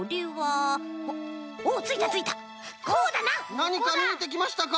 なにかみえてきましたか？